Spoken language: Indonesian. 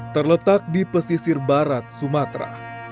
terletak di pesisir barat sumatera